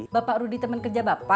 bapak rudy teman kerja bapak